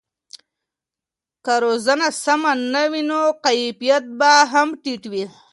که روزنه سمه نه وي نو کیفیت به هم ټیټ وي.